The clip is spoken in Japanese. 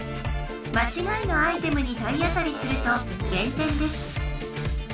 まちがいのアイテムに体当たりすると減点です。